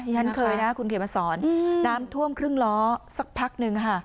ฉันเคยนะคุณเขียนมาสอนน้ำท่วมครึ่งล้อสักพักนึงค่ะ